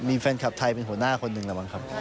มีแฟนคลับไทยเป็นหัวหน้าคนหนึ่งแล้วมั้งครับ